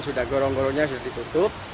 sudah gorong gorongnya sudah ditutup